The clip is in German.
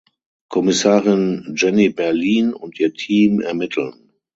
Kommissarin Jenny Berlin und ihr Team ermitteln.